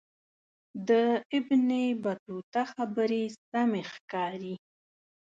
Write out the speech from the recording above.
د ابن بطوطه خبرې سمې ښکاري.